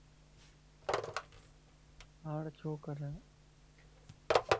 ھاڻ ڇو ڪريان؟